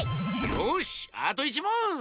よしあと１もん！